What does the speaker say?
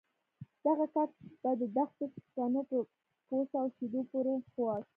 دغه کاک به د دښتو شپنو په پوڅه او شيدو پورې خوړ.